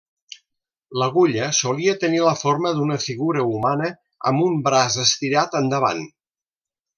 L'agulla solia tenir la forma d'una figura humana amb un braç estirat endavant.